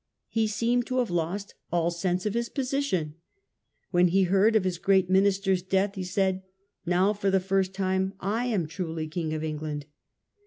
He seemed to have lost all sense of his position. When he heard of his great minister's death, he said, " Now for the first time I am truly king of England".